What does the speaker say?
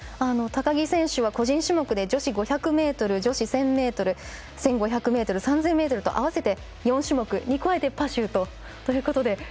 高木選手は個人種目で女子５００ｍ女子１０００ｍ、１５００ｍ３０００ｍと合わせて４種目に加えてパシュートということで。